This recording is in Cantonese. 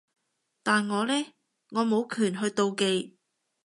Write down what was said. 但我呢？我冇權去妒忌